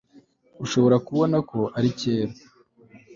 Uzashobora kubona ko ari cyera